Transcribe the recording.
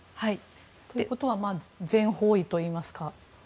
ということは全方位といいますか？